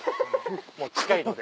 もう近いので。